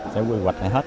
sẽ quy hoạch lại hết